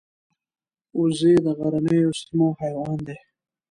وزې د غرنیو سیمو حیوان دي